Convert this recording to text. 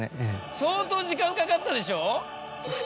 相当時間かかったでしょ？